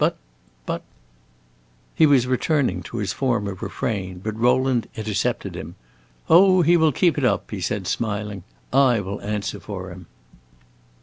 But but " He was returning to his former refrain, but Rowland intercepted him. "Oh, he will keep it up," he said, smiling, "I will answer for him."